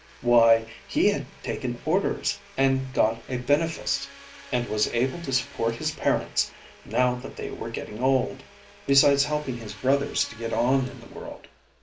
Why, he had taken Orders and got a benefice, and was able to support his parents now that they were getting old, besides helping his brothers to get on in the world.